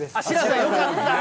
よかった。